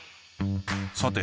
さて